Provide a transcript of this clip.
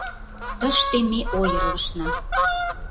Тыште ме ойырлышна.